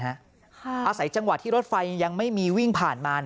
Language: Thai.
อาศัยจังหวะที่รถไฟยังไม่มีวิ่งผ่านมา